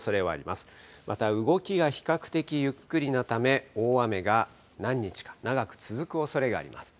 また、動きが比較的ゆっくりなため、大雨が何日か、長く続くおそれがあります。